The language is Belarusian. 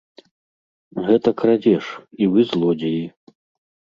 Гэта крадзеж, і вы злодзеі.